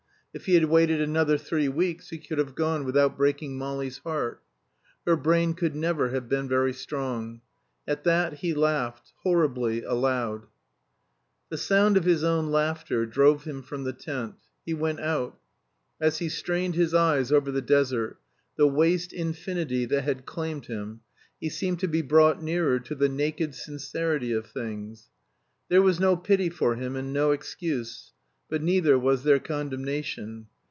If he had waited another three weeks he could have gone without breaking Molly's heart. "Her brain could never have been very strong." At that he laughed horribly, aloud. The sound of his own laughter drove him from the tent. He went out. As he strained his eyes over the desert, the waste Infinity that had claimed him, he seemed to be brought nearer to the naked sincerity of things. There was no pity for him and no excuse; but neither was there condemnation.